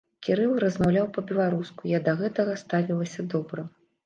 Кірыл размаўляў па-беларуску, я да гэтага ставілася добра.